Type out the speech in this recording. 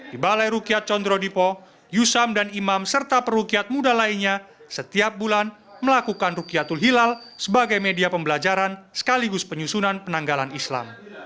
di balai rukiat condro dipo yusam dan imam serta perukiat muda lainnya setiap bulan melakukan rukyatul hilal sebagai media pembelajaran sekaligus penyusunan penanggalan islam